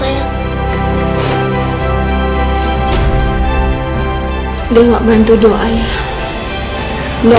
doa yang paling penting adalah untuk kamu